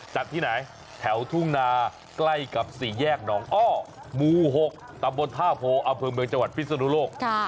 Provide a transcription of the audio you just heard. จัดที่ไหนแถวทุ่งนาใกล้กับสี่แยกหนองอ้อหมู่๖ตำบลท่าโพอำเภอเมืองจังหวัดพิศนุโลก